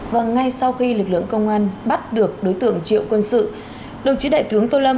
và ngay sau khi lực lượng công an bắt được đối tượng triệu quân sự đồng chí đại tướng tô lâm